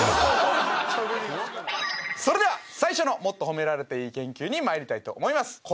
それでは最初のもっと褒められていい研究にまいりたいと思います